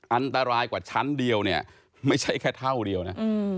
อันตรายกว่าชั้นเดียวเนี่ยไม่ใช่แค่เท่าเดียวนะ